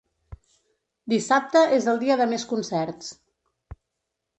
Dissabte és el dia de més concerts.